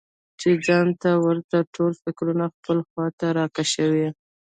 چې ځان ته ورته ټول فکرونه خپلې خواته راکشوي.